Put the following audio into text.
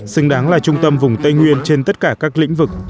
xứng đáng là trung tâm vùng tây nguyên trên tất cả các lĩnh vực